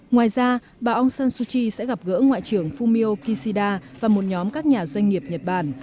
ngoài ra bà aung san suu kyi sẽ gặp gỡ ngoại trưởng fumio kishida và một nhóm các nhà doanh nghiệp nhật bản